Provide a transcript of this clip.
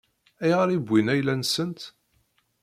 Ayɣer i wwin ayla-nsent?